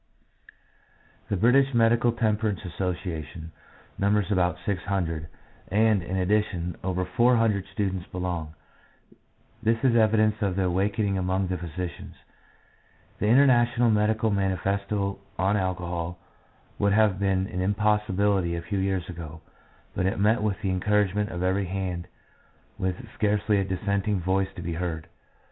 The British Medical Temperance Association numbers about six hundred, and, in addition, over four hundred students belong ; this is evidence of the awakening among the physicians. The International Medical Manifesto on Alcohol would have been an impossibility a few years ago, but it met with en couragement on every hand with scarcely a dissenting voice to be heard.